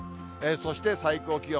そして最高気温。